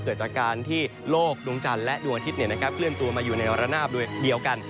เกิดจากการที่โลกดวงจันทร์และดวงอาทิตย์เนี่ยนะครับเคลื่อนตัวมาอยู่ในอารณาบด้วยเดียวกัน